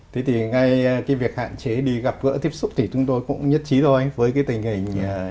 thế thì ngay cái việc hạn chế đi gặp gỡ tiếp xúc thì chúng tôi cũng nhất trí thôi với cái tình hình